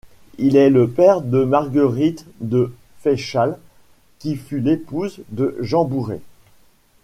Il est le père de Marguerite de Feschal, qui fut l'épouse de Jean Bourré.